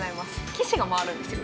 棋士が回るんですよ。